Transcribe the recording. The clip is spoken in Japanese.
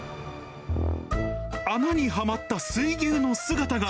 穴にはまった水牛の姿が。